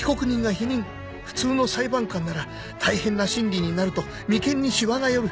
普通の裁判官なら大変な審理になると眉間にしわが寄る。